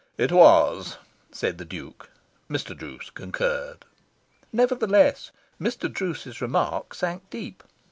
"It was," said the Duke. Mr. Druce concurred. Nevertheless, Mr. Druce's remark sank deep.